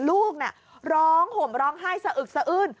ลูกน่ะร้องห่มร้องไห้สะอึกสะอื้น